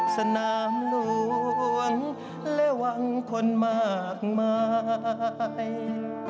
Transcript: สนามหลวงและหวังคนมากมาย